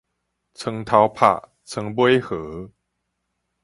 床頭拍，床尾和